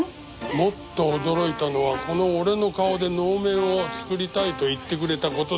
もっと驚いたのはこの俺の顔で能面を作りたいと言ってくれた事だ。